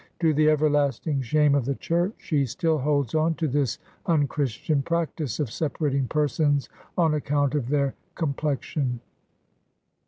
To the everlasting shame of the Church, she still holds on to this unchristian prac tice of separating persons on account of their complex ion.